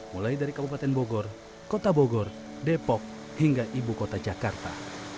mulai dari kabupaten bogor kota bogor depok hingga ibu kota jakarta